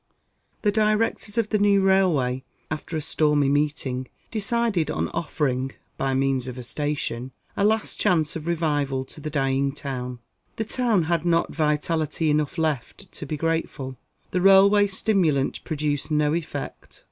The directors of the new railway, after a stormy meeting, decided on offering (by means of a Station) a last chance of revival to the dying town. The town had not vitality enough left to be grateful; the railway stimulant produced no effect.